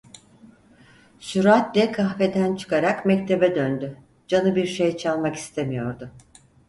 Süratle kahveden çıkarak mektebe döndü, canı bir şey çalmak istemiyordu.